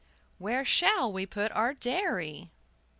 Where shall we put our dairy?"